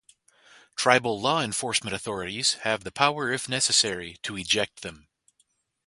Tribal law enforcement authorities have the power if necessary, to eject them.